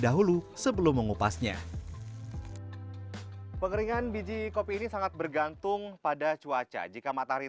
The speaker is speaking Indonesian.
dahulu sebelum mengupasnya pengeringan biji kopi ini sangat bergantung pada cuaca jika matahari